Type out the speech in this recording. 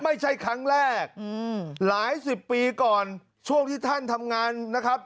ไม่ใช่ครั้งแรกหลายสิบปีก่อนช่วงที่ท่านทำงานนะครับ